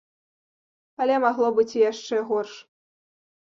Але магло быць і яшчэ горш.